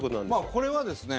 これはですね